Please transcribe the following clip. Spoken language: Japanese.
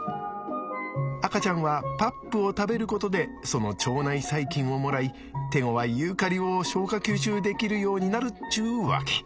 赤ちゃんはパップを食べることでその腸内細菌をもらい手ごわいユーカリを消化吸収できるようになるっちゅうわけ。